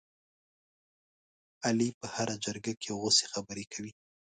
علي په هره جرګه کې غوڅې خبرې کوي.